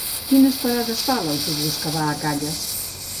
Quines parades fa l'autobús que va a Calles?